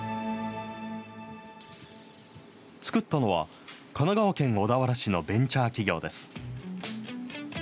造ったのは、神奈川県小田原市のベンチャー企業です。